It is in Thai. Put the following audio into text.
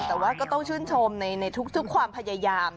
แต่ว่าก็ต้องชื่นชมในทุกความพยายาม